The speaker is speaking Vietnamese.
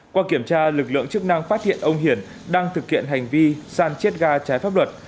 qua kiểm tra lực lượng chức năng phát hiện ông hiển đang thực hiện hành vi san chiết ga trái pháp luật